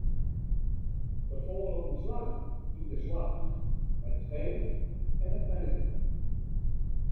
Der falle ûntslaggen yn de soarch, by de stêf en it management.